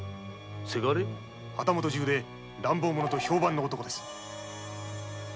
旗本中でも乱暴者と評判の男です。